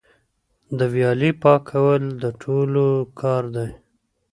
د ویالې پاکول د ټولو کار دی؟